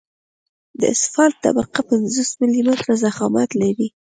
د اسفالټ طبقه پنځوس ملي متره ضخامت لري